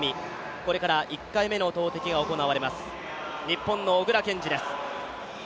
これから１回目の投てきが行われます、日本の小椋健司です。